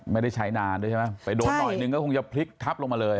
ไม่ได้ใช้นานด้วยใช่ไหมไปโดนหน่อยหนึ่งก็คงจะพลิกทับลงมาเลย